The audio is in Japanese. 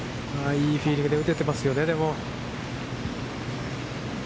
いいフィーリングで打てていますよね。